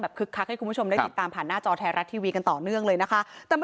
คึกคักให้คุณผู้ชมได้ติดตามผ่านหน้าจอไทยรัฐทีวีกันต่อเนื่องเลยนะคะ